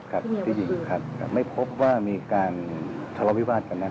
คุณผู้บินผู้ธรรมิว